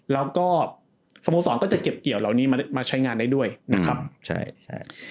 แล้วก็สมสรรค์ก็จะเก็บเกี่ยวเหล่านี้มาใช้งานได้ด้วยนะครับ